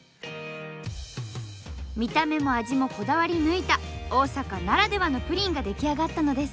見た目も味もこだわり抜いた大阪ならではのプリンが出来上がったのです。